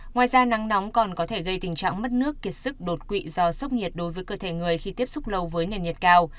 ngoài ra nắng nóng còn có thể gây tình trạng mất nước kiệt sức đột quỵ do sốc nhiệt đối với cơ thể người khi tiếp xúc lâu với nền nhiệt cao